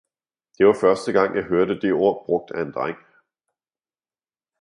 Det var første gang, jeg hørte det ord brugt af en dreng.